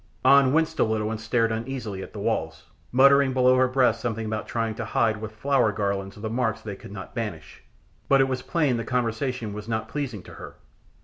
An winced a little and stared uneasily at the walls, muttering below her breath something about trying to hide with flower garlands the marks they could not banish, but it was plain the conversation was not pleasing to her.